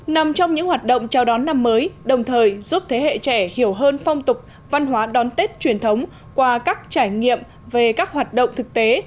nằm trong những hoạt động chào đón năm mới đồng thời giúp thế hệ trẻ hiểu hơn phong tục văn hóa đón tết truyền thống qua các trải nghiệm về các hoạt động thực tế